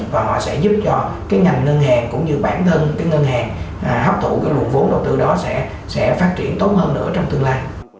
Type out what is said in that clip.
và họ sẽ giúp cho cái ngành ngân hàng cũng như bản thân cái ngân hàng hấp thụ cái nguồn vốn đầu tư đó sẽ phát triển tốt hơn nữa trong tương lai